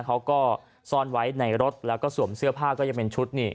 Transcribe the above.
เขาก็ซ่อนไว้ในรถแล้วก็สวมเสื้อผ้าก็ยังเป็นชุดนี่